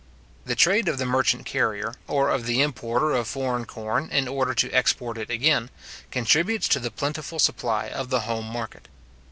The trade of the merchant carrier, or of the importer of foreign corn, in order to export it again, contributes to the plentiful supply of the home market.